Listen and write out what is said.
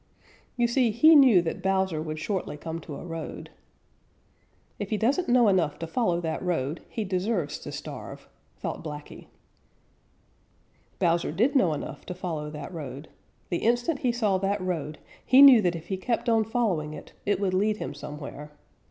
You see, he knew that Bowser would shortly come to a road. "If he doesn't know enough to follow that road, he deserves to starve," thought Blacky. Bowser did know enough to follow that road. The instant he saw that road, he knew that if he kept on following it, it would lead him somewhere.